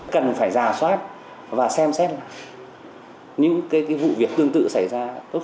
cần phải giả soát và xem xét là những cái vụ việc tương tự xảy ra